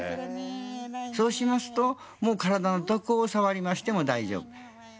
そうしますともう体のどこを触りましても大丈夫。